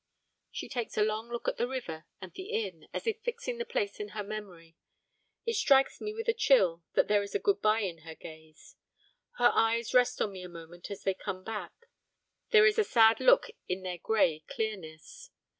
She takes a long look at the river and the inn, as if fixing the place in her memory; it strikes me with a chill that there is a goodbye in her gaze. Her eyes rest on me a moment as they come back, there is a sad look in their grey clearness.